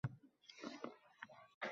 Ota yolg‘iz yotib, yolg‘iz turib yurdi